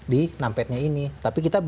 di numpad nya ini tapi kita